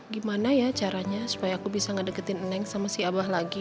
gimana ya caranya supaya aku bisa ngedeketin neng sama si abah lagi